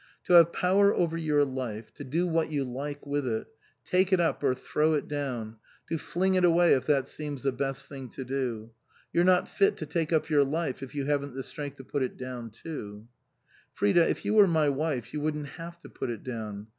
" To have power over your life to do what you like with it take it up or throw it down, to fling it away if that seems the best thing to do. You're not fit to take up your life if you haven't the strength to put it down too." " Frida, if you were my wife you wouldn't have to put it down.